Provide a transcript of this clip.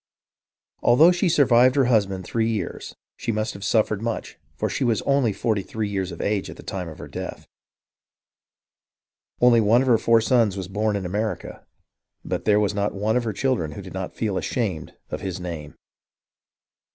Although she survived her husband three years, she must have suffered much, for she was only forty three years of age at the time of her death. Only one of her four sons was born in America, but there was not one of her children who did not feel ashamed of his name.